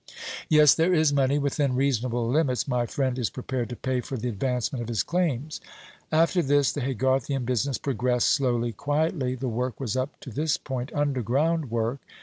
"Yes, there is money. Within reasonable limits my friend is prepared to pay for the advancement of his claims." After this the Haygarthian business progressed, slowly, quietly. The work was up to this point underground work.